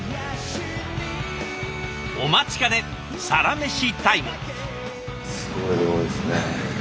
お待ちかねサラメシタイム。